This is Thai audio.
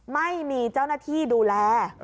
ไม่มีเจ้าหน้าที่ดูแล